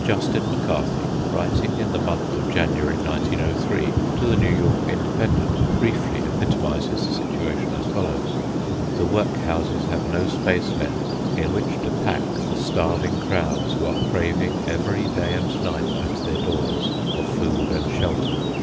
Justin McCarthy, writing in the month of January 1903, to the New York Independent, briefly epitomises the situation as follows:— "The workhouses have no space left in which to pack the starving crowds who are craving every day and night at their doors for food and shelter.